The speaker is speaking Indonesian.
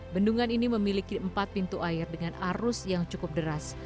bendungan ini memiliki empat pintu air dengan arus yang cukup deras